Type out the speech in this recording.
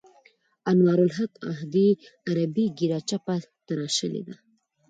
انوارالحق احدي عربي ږیره چپه تراشلې ده.